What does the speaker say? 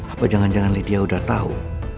apa jangan jangan lydia udah tahu